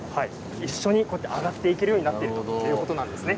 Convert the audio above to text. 一緒に上がっていけるようになっているということなんですね。